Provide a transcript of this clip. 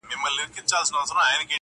خو باور ستا په ورورۍ به څنگه وکړم.!